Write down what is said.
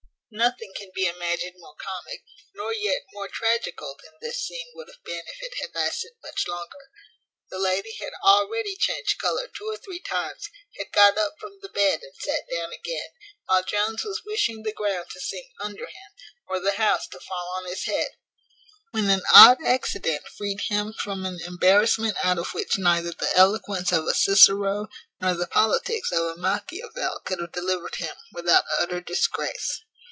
Nothing can be imagined more comic, nor yet more tragical, than this scene would have been if it had lasted much longer. The lady had already changed colour two or three times; had got up from the bed and sat down again, while Jones was wishing the ground to sink under him, or the house to fall on his head, when an odd accident freed him from an embarrassment out of which neither the eloquence of a Cicero, nor the politics of a Machiavel, could have delivered him, without utter disgrace.